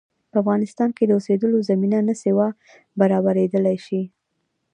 په افغانستان کې د اوسېدلو زمینه نه سوای برابرېدلای.